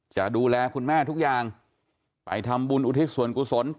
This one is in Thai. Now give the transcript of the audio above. จะดูแลคุณแม่ทุกอย่างไปทำบุญอุทิศส่วนกุศล